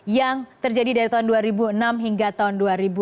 yang terjadi dari tahun dua ribu enam hingga tahun dua ribu enam